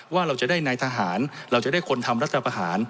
ว่าเราจะได้นายทหารเราจะได้คนทำรัฐประหาร